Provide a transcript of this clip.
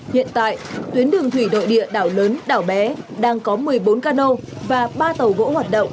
hiện tại tuyến đường thủy nội địa đảo lớn đảo bé đang có một mươi bốn cano và ba tàu gỗ hoạt động